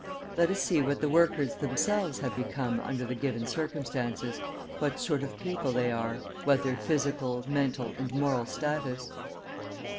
Let us see what the workers themselves have become under the given circumstances, what sort of people they are, what their physical, mental, and moral status.